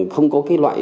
không có loại